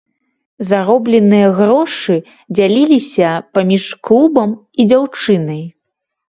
Заробленыя грошы дзяліліся паміж клубам і дзяўчынай.